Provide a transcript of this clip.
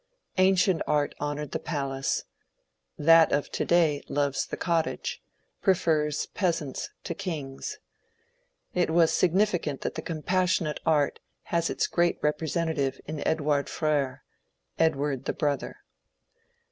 Ancient art honoured the palace ; that of to day loves the cottage, — prefers pea sants to kings. It was significant that the compassionate art has its great representative in Edouard Frfere — Ed¥rard the Brother.